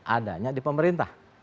adanya di pemerintah